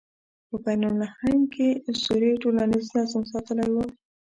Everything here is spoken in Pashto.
په بین النهرین کې اسطورې ټولنیز نظم ساتلی و.